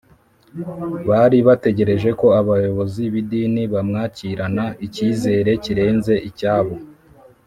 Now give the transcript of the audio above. . Bari bategereje ko abayobozi b’idini bamwakirana icyizere kirenze icyabo